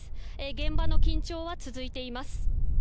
現場の緊張は続いています。